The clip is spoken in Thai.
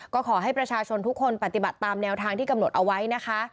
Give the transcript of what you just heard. ก็ขอให้ประชาชนทุกคนปฏิบัติตามแนวทางที่กำหนดเอาไว้นะคะ